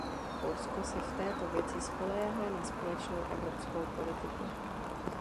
Polsko se v této věci spoléhá na společnou evropskou politiku.